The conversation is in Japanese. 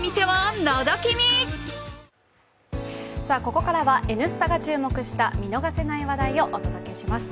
ここからは「Ｎスタ」が注目した見逃せない話題をお届けします。